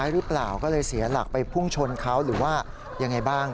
หรือเปล่าก็เลยเสียหลักไปพุ่งชนเขาหรือว่ายังไงบ้าง